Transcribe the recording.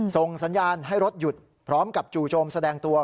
ส่งสัญญาณให้รถหยุดพร้อมกับจู่โจมแสดงตัว